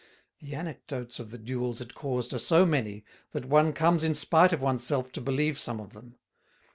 The anecdotes of the duels it caused are so many, that one comes in spite of oneself to believe some of them.